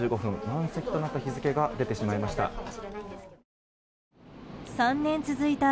満席となった日付が出てしまいました。